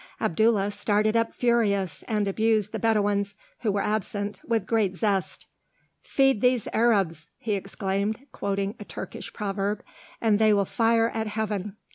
Abdullah started up furious, and abused the Bedouins, who were absent, with great zest. "Feed these Arabs," he exclaimed, quoting a Turkish proverb, "and they will fire at Heaven!"